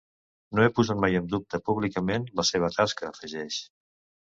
No he posat mai en dubte públicament la seva tasca, afegeix.